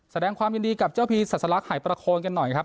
แสดงความยินดีกับเจ้าพีศาสลักหายประโคนกันหน่อยครับ